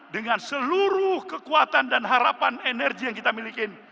dengan seluruh kekuatan dan harapan energi yang kita miliki